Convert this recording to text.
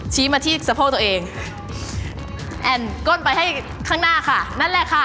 มาที่สะโพกตัวเองแอ่นก้นไปให้ข้างหน้าค่ะนั่นแหละค่ะ